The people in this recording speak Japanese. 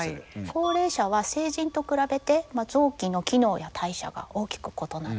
高齢者は成人と比べて臓器の機能や代謝が大きく異なっている。